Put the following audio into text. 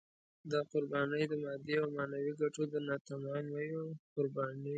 دا قربانۍ د مادي او معنوي ګټو د ناتمامیو قربانۍ وې.